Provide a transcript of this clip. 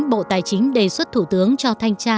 bộ tài chính đề xuất thủ tướng cho thanh tra